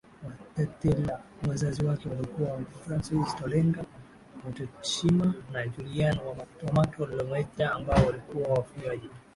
Watetela wazazi wake walikuwa François Tolenga Otetshima na Julienne Wamato Lomendja ambao walikuwa wafugaji